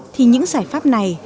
thì những giải pháp này